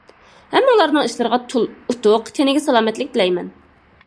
ھەممىڭلارنىڭ ئىشلىرىغا ئۇتۇق، تېنىگە سالامەتلىك تىلەيمەن.